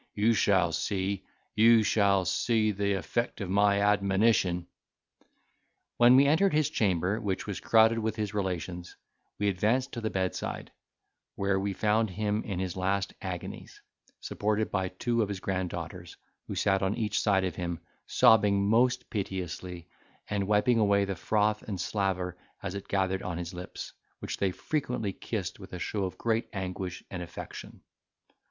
You shall see—you shall see the effect of my admonition," When we entered his chamber, which was crowded with his relations, we advanced to the bedside, where we found him in his last agonies, supported by two of his granddaughters, who sat on each side of him, sobbing most piteously, and wiping away the froth and slaver as it gathered on his lips, which they frequently kissed with a show of great anguish and affection.